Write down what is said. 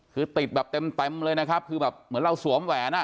คือติดแบบเต็มเลยนะครับคือแบบเหมือนเราสวมแหวนอ่ะ